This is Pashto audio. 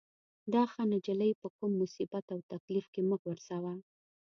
دا ښه نجلۍ په کوم مصیبت او تکلیف کې مه غورځوه.